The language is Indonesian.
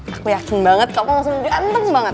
aku yakin banget kamu langsung ganteng banget